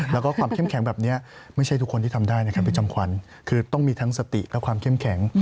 แล้วก็ความเข้มแข็งแบบนี้ไม่ใช่ทุกคนที่ทำได้นะครับพี่จำขวัญคือต้องมีทั้งสติและความเข้มแข็ง